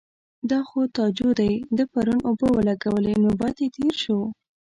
_دا خو تاجو دی، ده پرون اوبه ولګولې. نوبت يې تېر شو.